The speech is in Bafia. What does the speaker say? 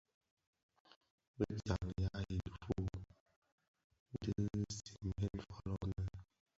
Bi djaň ya i dhufuu dhi simbèn fōlō nnë.